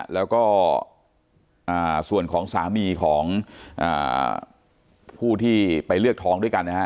แล้วก็ส่วนของสามีของผู้ที่ไปเลือกทองด้วยกันนะฮะ